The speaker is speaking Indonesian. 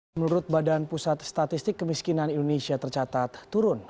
menurut badan pusat statistik kemiskinan indonesia tercatat turun